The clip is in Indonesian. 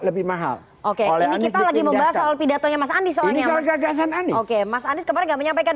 lebih mahal oke oleh lagi membahas soal pidatonya mas andi soalnya oke mas anies kemarin menyampaikan